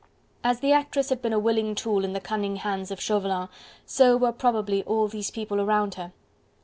As the actress had been a willing tool in the cunning hands of Chauvelin, so were probably all these people around her.